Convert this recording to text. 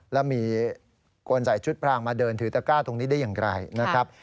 แล้วมีคนใส่ชุดพรางมาเดินถือตะก้าตรงนี้ได้อย่างไรนะครับ